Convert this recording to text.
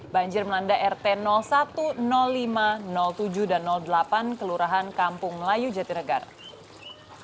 banjir melanda rt satu lima tujuh dan delapan kelurahan kampung melayu jatinegara